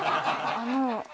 あの。